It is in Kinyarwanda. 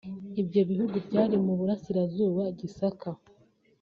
Ibyo bihugu byari mu burasirazuba (Gisaka)